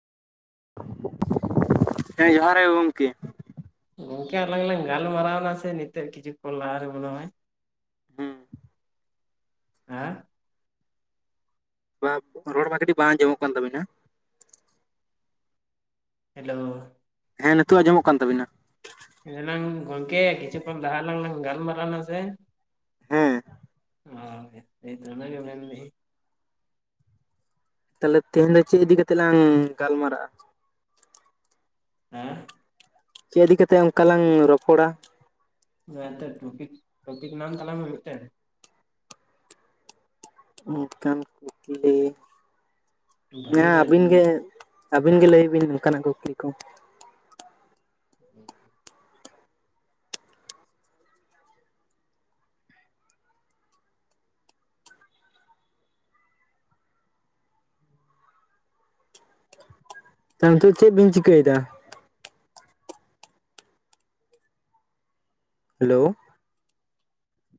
ᱦᱮᱸ ᱡᱚᱦᱟᱨ ᱜᱮ ᱜᱚᱝᱠᱮ᱾ ᱜᱚᱝᱠᱮ ᱟᱞᱟᱝ ᱞᱟᱝ ᱜᱟᱞᱢᱟᱨᱟᱣᱱᱟ ᱥᱮ ᱱᱤᱛᱚᱜ ᱠᱤᱪᱷᱩ ᱠᱷᱚᱱ ᱞᱟᱦᱟ? ᱦᱩᱸ [unintelligible] ᱵᱟ ᱨᱚᱲ ᱵᱷᱟᱜᱮ ᱴᱤ ᱵᱟᱝ ᱟᱸᱡᱚᱢᱚᱜ ᱠᱟᱱ ᱛᱟᱵᱤᱱᱟ᱾ ᱦᱮᱞᱳ ᱦᱮᱸ ᱱᱤᱛᱟᱹᱜ ᱟᱸᱡᱚᱢ ᱠᱟᱱ ᱛᱵᱤᱱᱟ᱾ ᱮᱱᱟᱝ ᱜᱚᱝᱠᱮ ᱠᱤᱪᱷᱩ ᱠᱷᱚᱱ ᱞᱟᱦᱟ ᱞᱟᱝ ᱜᱟᱞᱢᱟᱨᱟᱣ ᱱᱟᱥᱮ? ᱦᱮᱸ [unintelligible] ᱛᱟᱞᱮ ᱛᱮᱦᱮᱧ ᱫᱚ ᱪᱮᱫ ᱤᱫᱤ ᱠᱟᱛᱮᱜ ᱞᱟᱝ ᱜᱟᱞᱢᱟᱨᱟᱜᱼᱟ? [unintelligible] ᱪᱮᱫ ᱤᱫᱤ ᱠᱟᱛᱮ ᱚᱝᱠᱟ ᱞᱟᱝ ᱨᱚᱯᱚᱲᱟ? [unintelligible] ᱴᱚᱯᱤᱠ ᱴᱚᱯᱤᱠ ᱱᱟᱢ ᱛᱟᱞᱟ ᱢᱮ ᱢᱤᱫ ᱴᱮᱝ᱾ ᱚᱱᱠᱟᱱ ᱠᱩᱠᱞᱤ, ᱵᱷᱟᱹᱞᱤ ᱡᱟᱦᱟᱸ ᱟᱹᱵᱤᱱ ᱜᱮ ᱟᱹᱵᱤᱱ ᱜᱮ ᱞᱟᱹᱭ ᱵᱤᱱ ᱱᱚᱠᱟᱱᱟᱜ ᱠᱩᱠᱞᱤ ᱠᱚ᱾ [inaudible] [inaudible] ᱛᱚ ᱪᱮᱫ ᱵᱤᱱ ᱪᱤᱠᱟᱹᱭᱮᱫᱟ? ᱦᱮᱞᱳ